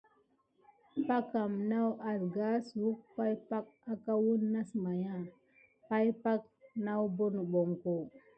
Packam naw asgassuwək pay pak aka wəne nasmaïska, pay pak nawbo nəɓoŋko.